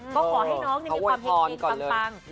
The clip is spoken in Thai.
ก็ขอให้น้องมีความเห็งปัง